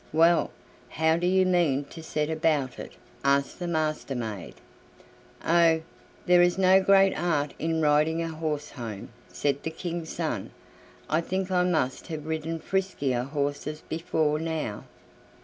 "Well, how do you mean to set about it?" asked the Master maid. "Oh! there is no great art in riding a horse home," said the King's son. "I think I must have ridden friskier horses before now."